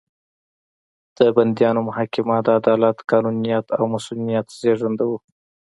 د بندیانو محاکمه د عدالت، قانونیت او مصونیت زېږنده وو.